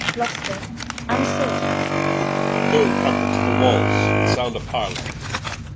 Edw. Goe, Trumpet, to the Walls, and sound a Parle Rich.